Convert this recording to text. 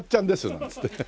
なんつって。